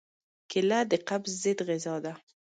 کېله د قبض ضد غذا ده.